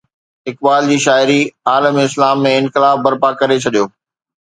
اقبال جي شاعري عالم اسلام ۾ انقلاب برپا ڪري ڇڏيو.